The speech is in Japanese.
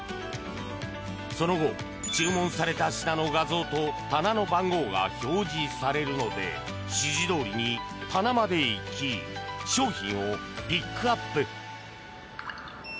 その後、注文された品の画像と棚の番号が表示されるので指示どおりに棚まで行き商品をピックアップ。